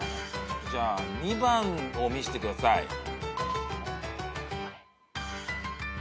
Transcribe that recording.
じゃあ２番を見せてください。